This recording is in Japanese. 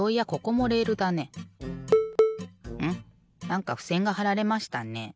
なんかふせんがはられましたね。